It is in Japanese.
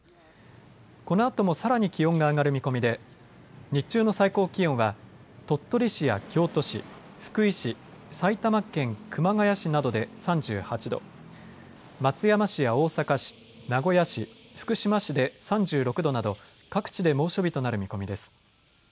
このあともさらに気温が上がる見込みで日中の最高気温は鳥取市や京都市、福井市、埼玉県熊谷市などで３８度、松山市や大阪市、名古屋市、福島市で３６度など各地で猛暑日となる見込みです。